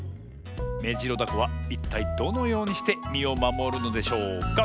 メジロダコはいったいどのようにしてみをまもるのでしょうか？